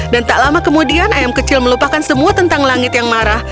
dan tak lama kemudian ayam kecil melupakan semua tentang langit yang marah